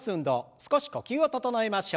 少し呼吸を整えましょう。